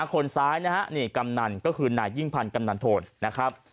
คนซ้ายนะฮะนี่กำนันก็คือนายยิ่งพันธ์กำนันโทนนะครับ